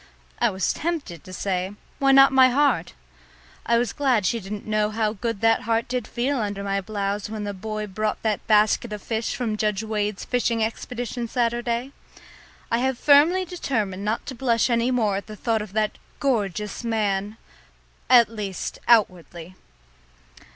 I was tempted to say, "Why not my heart?" I was glad she didn't know how good that heart did feel under my blouse when the boy brought that basket of fish from Judge Wade's fishing expedition Saturday. I have firmly determined not to blush any more at the thought of that gorgeous man at least outwardly.